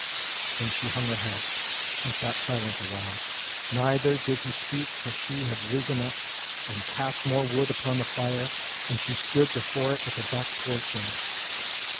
Then she hung her head, and sat silent a while, neither did he speak till she had risen up and cast more wood upon the fire; and she stood before it with her back towards him.